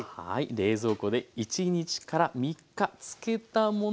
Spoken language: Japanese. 冷蔵庫で１３日漬けたもの